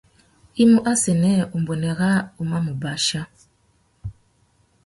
I mú assênē umbuênê râā a mà mú bachia.